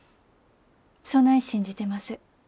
そない信じてます。